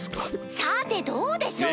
さてどうでしょう！